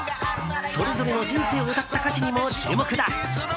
それぞれの人生を歌った歌詞にも注目だ。